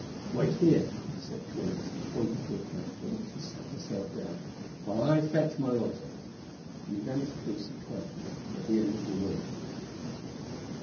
"Wait here," he said to Inez, pointing to a couch on which she sat herself down, "while I fetch my lodger," and he vanished through some curtains at the end of the room.